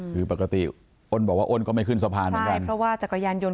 คือปกติอ้นบอกว่าอ้นก็ไม่ขึ้นสะพานเหมือนกันใช่เพราะว่าจักรยานยนต